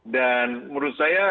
dan menurut saya